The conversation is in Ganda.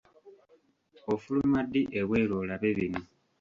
Ofuluma ddi ebweru olabe bino?